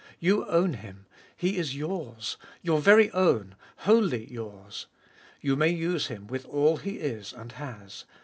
You own Him ; He is yours, your very own, wholly yours. You may use Him with all He is and has.